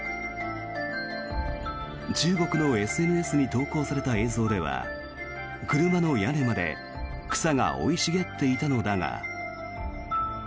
中国のＳＮＳに投稿された映像では車の屋根まで草が生い茂っていたのだが。